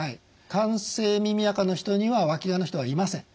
乾性耳あかの人にはわきがの人はいません。